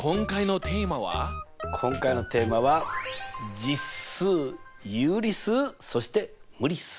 今回のテーマは実数有理数そして無理っす？